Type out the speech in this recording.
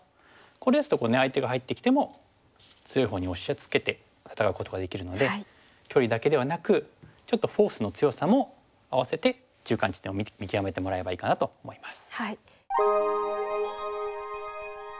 これですと相手が入ってきても強いほうに押しつけて戦うことができるので距離だけではなくちょっとフォースの強さも併せて中間地点を見極めてもらえばいいかなと思います。